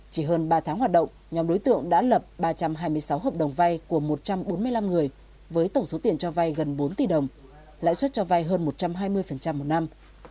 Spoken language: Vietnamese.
chỉ hơn ba tháng hoạt động nhóm đối tượng đã lập ba trăm hai mươi sáu hợp đồng vay của một trăm bốn mươi năm người với tổng số tiền cho vay gần bốn tỷ đồng lãi suất cho vay hơn một trăm hai mươi một năm